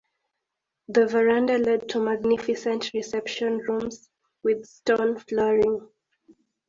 The veranda led to magnificent reception rooms with stone flooring.